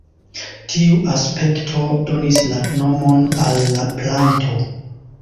Tiu aspekto donis la nomon al la planto.